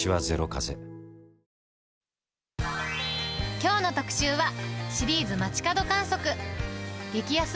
きょうの特集は、シリーズ街角観測。